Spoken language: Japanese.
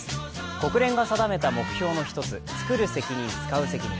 国連が定めた目標の一つ、「つくる責任つかう責任」。